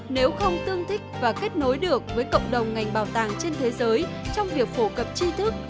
nếu không tương thích và kết nối được với cộng đồng ngành bảo tàng trên thế giới trong việc phổ cập chi thức